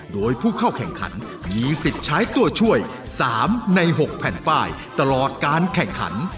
โดยผู้เข้าแข่งขันมีสิทธิ์ใช้ตัวช่วย๓ใน๖แผ่นป้ายตลอดการแข่งขัน